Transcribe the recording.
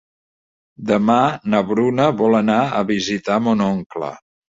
Demà na Bruna vol anar a visitar mon oncle.